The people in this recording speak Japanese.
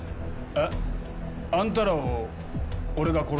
えっ？あんたらを俺が殺すの？